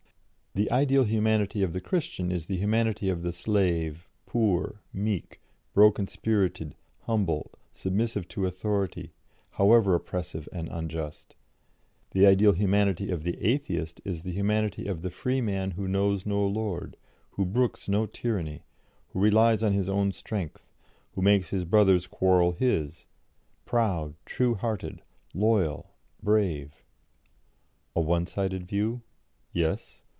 The ideal humanity of the Christian is the humanity of the slave, poor, meek, broken spirited, humble, submissive to authority, however oppressive and unjust; the ideal humanity of the Atheist is the humanity of the free man who knows no lord, who brooks no tyranny, who relies on his own strength, who makes his brother's quarrel his, proud, true hearted, loyal, brave." A one sided view? Yes.